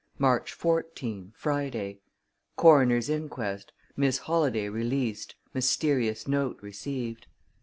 March 14, Friday Coroner's inquest; Miss Holladay released; mysterious note received.